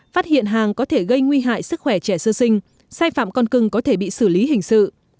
phát hiện hàng có thể gây nguy hại sức khỏe trẻ sơ sinh sai phạm con cưng có thể bị xử lý hình sự